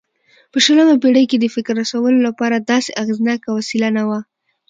په شلمه پېړۍ کې د فکر رسولو لپاره داسې اغېزناکه وسیله نه وه.